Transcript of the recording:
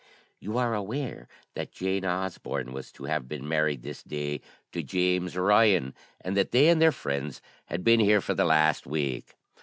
"You are aware that Jane Osborne was to have been married this day to James Ryan, and that they and their friends have been here for the last week.